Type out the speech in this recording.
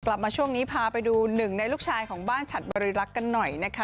กลับมาช่วงนี้พาไปดูหนึ่งในลูกชายของบ้านฉัดบริรักษ์กันหน่อยนะคะ